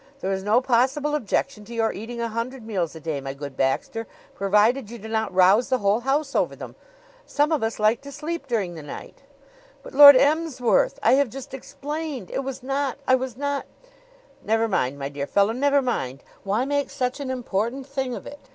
There is no possible objection to your eating a hundred meals a day, my good Baxter, provided you do not rouse the whole house over them. Some of us like to sleep during the night." "But, Lord Emsworth! I have just explained It was not I was not " "Never mind, my dear fellow; never mind. Why make such an important thing of it?